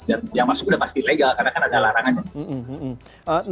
dan yang masuk udah pasti ilegal karena kan ada larangan